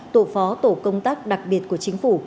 tổ phó tổ công tác đặc biệt của chính phủ